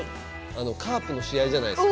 カープの試合じゃないですか？